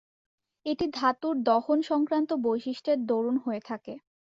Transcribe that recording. এটি ধাতুর দহন সংক্রান্ত বৈশিষ্ট্যের দরুন হয়ে থাকে।